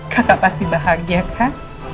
kakak pasti bahagia kak